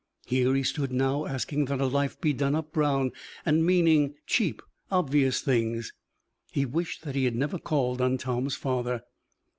Here he stood now, asking that a life be done up brown, and meaning cheap, obvious things. He wished that he had never called on Tom's father.